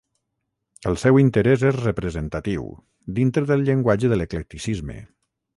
El seu interès és representatiu, dintre del llenguatge de l'eclecticisme.